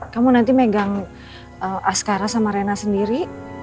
kamu nanti megang askara sama rena sendiri